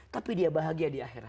tapi dia bahagia di akhirat